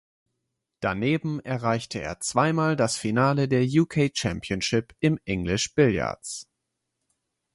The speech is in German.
Daneben erreichte er zweimal das Finale der Uk Championship im English Billiards.